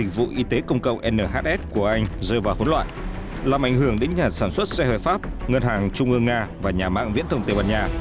vụ y tế công cộng nhs của anh rơi vào hỗn loạn làm ảnh hưởng đến nhà sản xuất xe hợp pháp ngân hàng trung ương nga và nhà mạng viễn thông tây ban nha